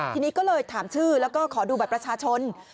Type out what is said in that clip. ทีนี้ก็เลยถามชื่อแล้วก็ขอดูบัตรประชาชน